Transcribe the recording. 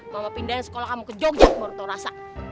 mama pindahin sekolah kamu ke jogja baru tau rasa